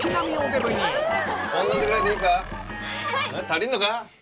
足りんのか？